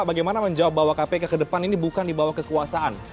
bagaimana menjawab bahwa kpk ke depan ini bukan di bawah kekuasaan